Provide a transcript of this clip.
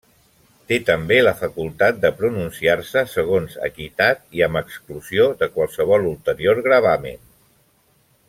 Té també la facultat de pronunciar-se segons equitat i amb exclusió de qualsevol ulterior gravamen.